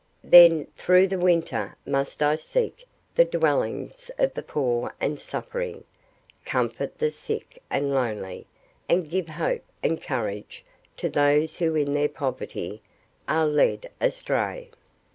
Then, through the winter, must I seek the dwellings of the poor and suffering, comfort the sick and lonely, and give hope and courage to those who in their poverty are led astray.